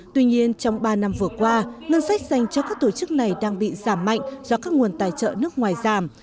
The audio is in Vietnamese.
tuy nhiên trong ba năm vừa qua ngân sách dành cho các tổ chức này đang bị giảm mạnh do các nguồn tài trợ nước ngoài giảm